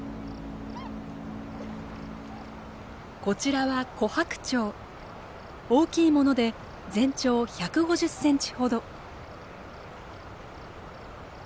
こちらは大きいもので全長１５０センチほど。